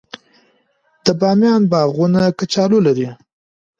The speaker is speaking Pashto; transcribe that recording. د بامیان باغونه کچالو لري.